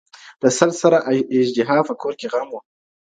د سل سره اژدها په كور كي غم وو.